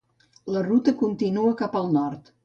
La ruta continua cap al nord.